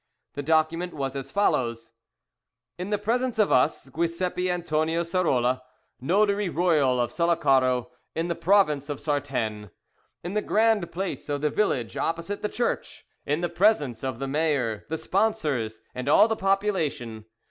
The document was as follows: "In the presence of us, Giuseppe Antonia Sarrola, Notary Royal of Sullacaro in the Province of Sartène. "In the grand place of the village opposite the church, in the presence of the mayor, the sponsors, and all the population.